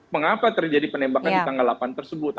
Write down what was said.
mengapa terjadi penembakan di tanggal delapan tersebut